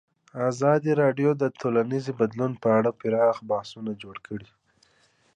ازادي راډیو د ټولنیز بدلون په اړه پراخ بحثونه جوړ کړي.